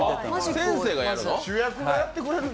先生がやるの？